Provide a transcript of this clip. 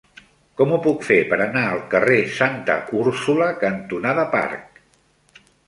Com ho puc fer per anar al carrer Santa Úrsula cantonada Parc?